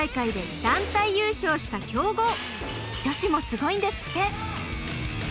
女子もすごいんですって。